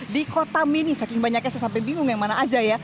di kota mini saking banyaknya saya sampai bingung yang mana aja ya